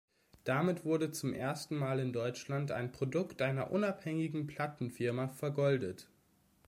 Damit wurde zum ersten Mal in Deutschland ein Produkt einer unabhängigen Plattenfirma vergoldet.